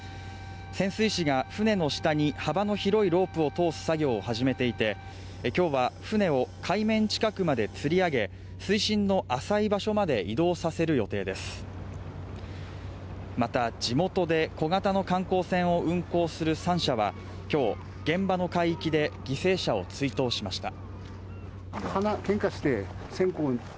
潜水士が船の下に幅の広いロープを通す作業を始めていて今日は船を海面近くまでつり上げ水深の浅い場所まで移動させる予定ですまた地元で小型の観光船を運航する３社はきょう現場の海域で犠牲者を追悼しました